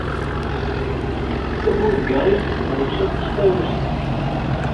Tabulgaṛit terwes aṭas tarusit.